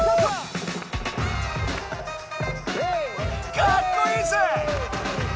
かっこいいぜ！